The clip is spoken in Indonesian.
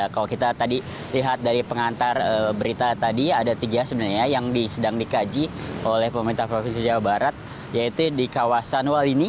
kalau kita tadi lihat dari pengantar berita tadi ada tiga sebenarnya yang sedang dikaji oleh pemerintah provinsi jawa barat yaitu di kawasan walini